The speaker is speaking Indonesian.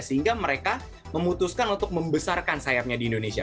sehingga mereka memutuskan untuk membesarkan sayapnya di indonesia